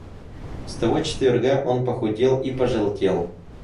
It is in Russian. С того четверга он похудел и пожелтел.